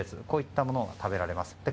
こういったものを食べられます。